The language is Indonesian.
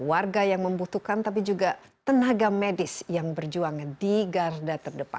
warga yang membutuhkan tapi juga masyarakat yang membutuhkan kebutuhan sehari hari mereka